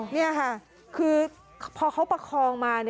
นี่ค่ะคือพอเขาประคองมา